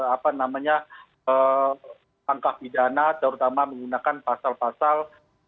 apa namanya langkah pidana terutama menggunakan pasal pasal